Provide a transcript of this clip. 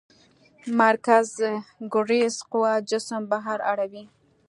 مرکزګریز قوه جسم بهر اړوي.